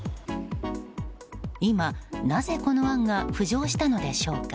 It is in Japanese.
今、なぜこの案が浮上したのでしょうか。